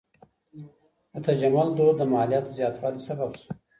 د تجمل دود د مالیاتو د زیاتوالي سبب سو.